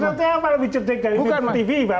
apa apa lebih cerdik dari metro tv pak